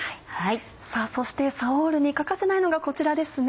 さぁそしてサオールに欠かせないのがこちらですね。